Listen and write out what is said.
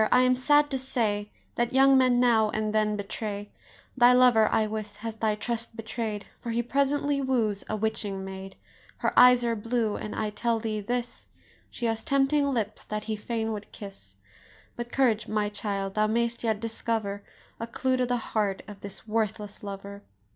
I am sad to say That young men now and then betray: Thy lover, I wis, has thy trust betray'd, For he presently woos a witching maid: Her eyes are blue, and, I tell thee this, She has tempting lips that he fain would kiss; But courage, my child, thou mayst yet discover A clue to the heart of this worthless lover."